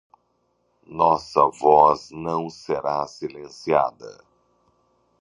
Nossa voz não será silenciada.